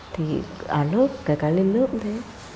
thì ở lớp kể cả lên lớp cũng thế